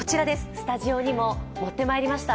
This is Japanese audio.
スタジオにも持ってまいりました。